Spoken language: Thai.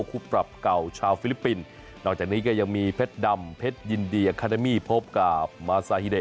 คู่ปรับเก่าชาวฟิลิปปินส์